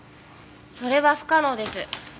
それは不可能です。